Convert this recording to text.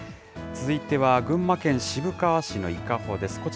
続いては、群馬県渋川市の伊香保です。